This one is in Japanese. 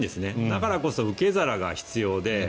だからこそ受け皿が必要で。